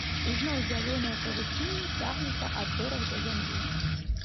І зноў зялёнае павуцінне цягнецца ад зорак да зямлі.